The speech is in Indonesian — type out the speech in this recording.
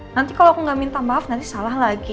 nanti kalau aku nggak minta maaf nanti salah lagi